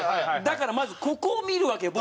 だからまずここを見るわけよ